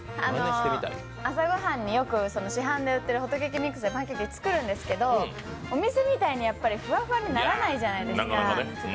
朝ごはんによく市販で売ってるパンケーキミックスで作るんですけどお店みたいにふわふわにならないじゃないですか。